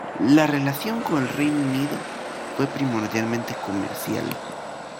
La relación con el Reino Unido fue primordialmente comercial.